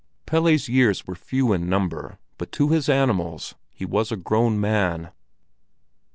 Pelle's years were few in number, but to his animals he was a grown man.